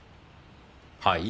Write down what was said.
はい？